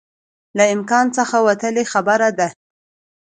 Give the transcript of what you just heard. له امکان څخه وتلی خبره ده